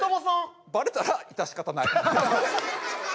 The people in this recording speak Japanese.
バレたら致し方ない。